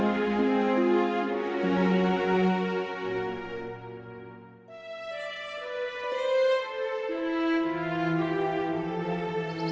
aku tidak bisa mengeluh